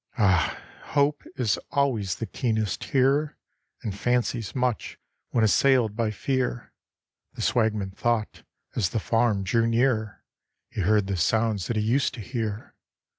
Ah, hope is always the keenest hearer, And fancies much when assailed by fear; The swagman thought, as the farm drew nearer, He heard the sounds that he used to hear.